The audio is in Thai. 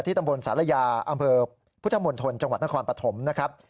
ตำบลศาลายาอำเภอพุทธมณฑลจังหวัดนครปฐมนะครับ